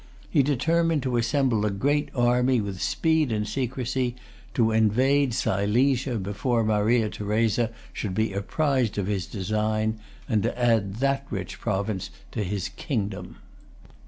He determined to assemble a great army with speed and secrecy, to invade Silesia before Maria Theresa should be apprised of his design, and to add that rich province to his kingdom.